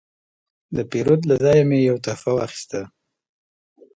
د پیرود له ځایه مې یو تحفه واخیسته.